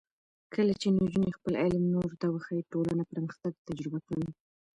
کله چې نجونې خپل علم نورو ته وښيي، ټولنه پرمختګ تجربه کوي.